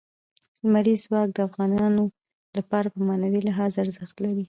لمریز ځواک د افغانانو لپاره په معنوي لحاظ ارزښت لري.